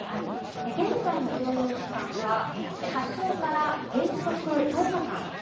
現在の療養期間は発症から原則１０日間。